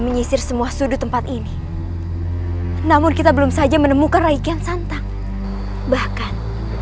mengisir semua sudut tempat ini namun kita belum saja menemukan rai kian santang bahkan